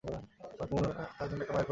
তোমার কি মনে হয় না তার একটা মায়ের প্রয়োজন?